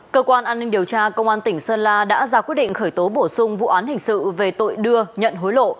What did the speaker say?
cơ quan an ninh điều tra công an tỉnh sơn la đã ra quyết định khởi tố bổ sung vụ án hình sự về tội đưa nhận hối lộ